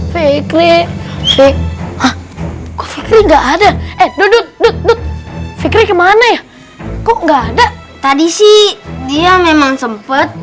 hai fikri fikri enggak ada duduk duduk fikri kemana ya kok nggak ada tadi sih dia memang sempet